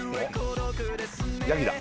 ヤギだ。